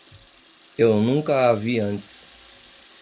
Eu nunca a vi antes.